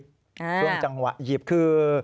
ช่วงจังหวะหยิบคือ